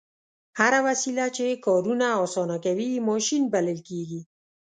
هره وسیله چې کارونه اسانه کوي ماشین بلل کیږي.